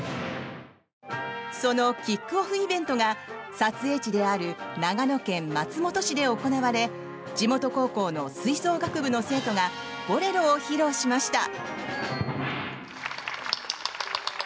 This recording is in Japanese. そのキックオフイベントが撮影地である長野県松本市で行われ地元高校の吹奏楽部の生徒が「ボレロ」を披露しました。